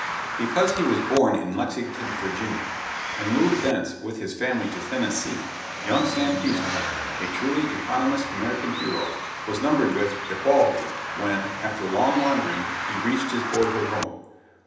Because he was born in Lexington, Virginia, and moved thence with his family to Tennessee, young Sam Houston a truly eponymous American hero was numbered with "the quality" when, after long wandering, he reached his boyhood home.